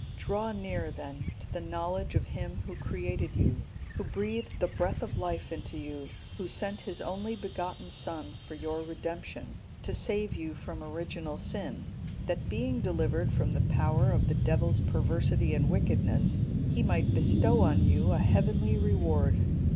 Draw near, then, to the knowledge of Him Who created you, Who breathed the breath of life into you, Who sent His only begotten Son for your redemption, to save you from original sin, that being delivered from the power of the Devil's perversity and wickedness, He might bestow on you a heavenly reward.